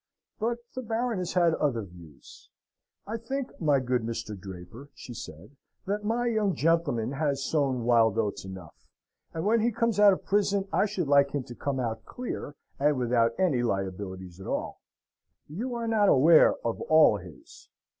But the Baroness had other views. "I think, my good Mr. Draper," she said, "that my young gentleman has sown wild oats enough; and when he comes out of prison I should like him to come out clear, and without any liabilities at all. You are not aware of all his."